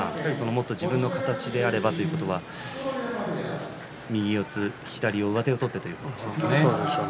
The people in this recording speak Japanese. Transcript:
もっと自分の形であればということは右四つ、左上手を取ってそうですね。